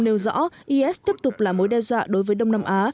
nêu rõ is tiếp tục là mối đe dọa đối với đông nam á